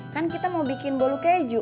kan kita mau bikin bolu keju